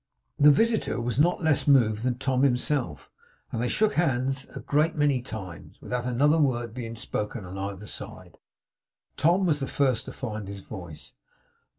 The visitor was not less moved than Tom himself, and they shook hands a great many times, without another word being spoken on either side. Tom was the first to find his voice.